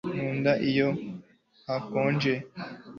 nkunda iyo hakonje